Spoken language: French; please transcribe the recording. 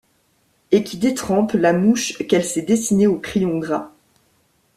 Et qui détrempe la mouche qu’elle s’est dessinée au crayon gras.